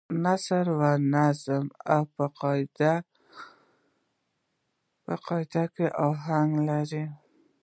نثر منظم او با قاعده اهنګ نه لري.